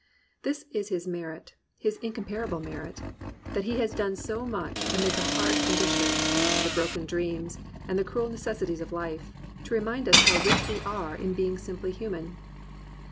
This is his merit, his incomparable merit, that he has done so much, amid the hard conditions, the broken dreams, and the cruel necessities of life, to remind us how rich we are in being simply human.